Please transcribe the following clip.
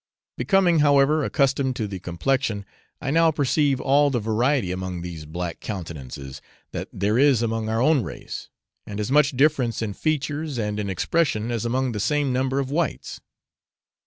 Becoming, however, accustomed to the complexion, I now perceive all the variety among these black countenances that there is among our own race, and as much difference in features and in expression as among the same number of whites.